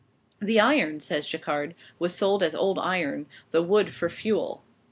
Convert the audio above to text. "The iron," says Jacquard, "was sold as old iron; the wood, for fuel."